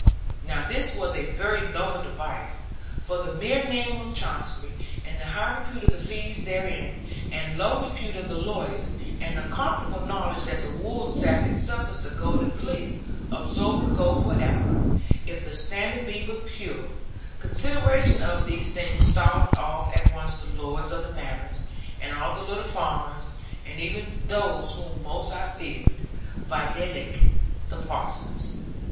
Now this was a very noble device, for the mere name of Chancery, and the high repute of the fees therein, and low repute of the lawyers, and the comfortable knowledge that the woolsack itself is the golden fleece, absorbing gold for ever, if the standard be but pure; consideration of these things staved off at once the lords of the manors, and all the little farmers, and even those whom most I feared; videlicet, the parsons.